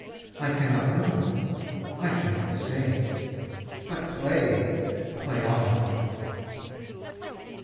I cannot know. I cannot say. But play, play on.